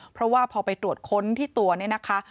เพราะว่าพอไปตรวจค้นที่ตัวเนี่ยนะคะ